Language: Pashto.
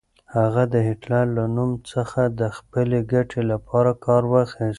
هغه د هېټلر له نوم څخه د خپلې ګټې لپاره کار واخيست.